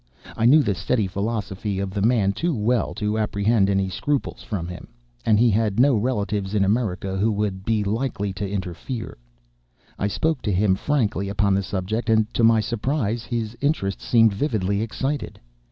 I knew the steady philosophy of the man too well to apprehend any scruples from him; and he had no relatives in America who would be likely to interfere. I spoke to him frankly upon the subject; and, to my surprise, his interest seemed vividly excited.